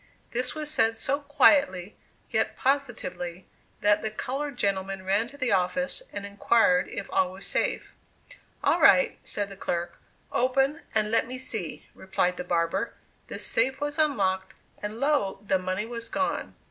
This was said so quietly, yet positively, that the colored gentleman ran to the office, and inquired if all was safe. "All right," said the clerk. "Open, and let me see," replied the barber. The safe was unlocked and lo! the money was gone!